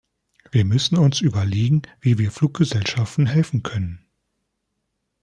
Wir müssen uns überlegen, wie wir Fluggesellschaften helfen können.